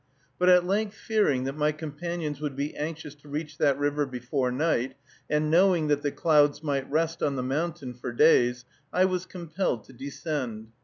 But at length fearing that my companions would be anxious to reach the river before night, and knowing that the clouds might rest on the mountain for days, I was compelled to descend.